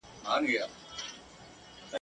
ته د ورکو حورو یار یې له غلمان سره همزولی !.